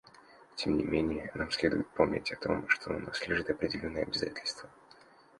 Тем не менее, нам следует помнить о том, что на нас лежит определенное обязательство.